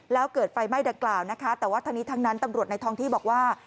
แล้วเกิดไฟไหม้ดังกล่าวแต่ว่าทั้งนั้นตำรวจในทองที่บอกว่า